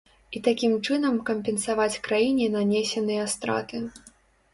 І такім чынам кампенсаваць краіне нанесеныя страты.